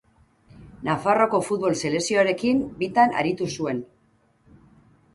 Nafarroako futbol selekzioarekin bitan aritu zuen.